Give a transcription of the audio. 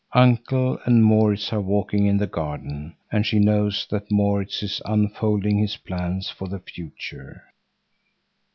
Uncle and Maurits are walking in the garden, and she knows that Maurits is unfolding his plans for the future.